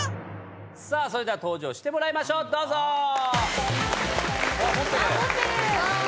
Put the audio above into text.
さあそれでは登場してもらいましょうどうぞ・あっ持ってる・ああ